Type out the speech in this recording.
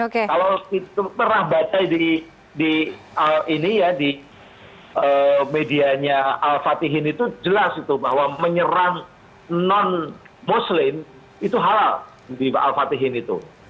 kalau pernah baca di medianya al fatihin itu jelas itu bahwa menyerang non muslim itu halal di al fatihin itu